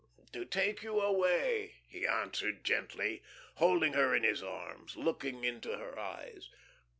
"To take you away," he answered, gently, holding her in his arms, looking down into her eyes.